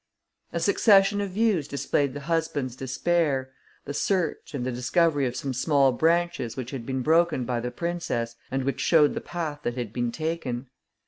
A succession of views displayed the husband's despair, the search and the discovery of some small branches which had been broken by the princess and which showed the path that had been taken.